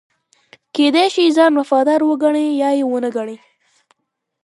کېدای شي ځان وفادار وګڼي یا یې ونه ګڼي.